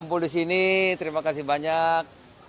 kumpul di sini terima kasih banyak